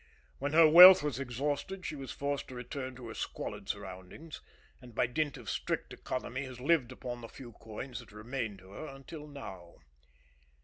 When her wealth was exhausted she was forced to return to her squalid surroundings, and by dint of strict economy has lived upon the few coins that remained to her until now.